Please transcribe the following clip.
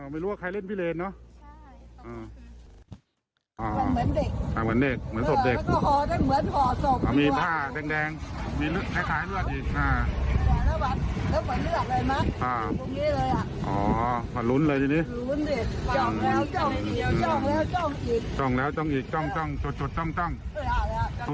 ไม่รู้ว่าใครเล่นพิเรนเนอะอ๋อมันเหมือนเด็กมันเหมือนศพเด็ก